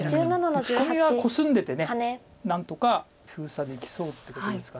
打ち込みはコスんでて何とか封鎖できそうってことですか。